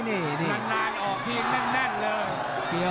นานออกทีมแน่นเลย